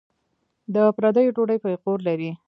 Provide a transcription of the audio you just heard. د پردیو ډوډۍ پېغور لري.